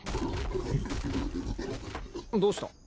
どうした！？